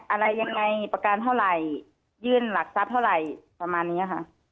อะไรยังไงประกันเท่าไหร่ยื่นหลักทรัพย์เท่าไหร่ประมาณนี้ค่ะ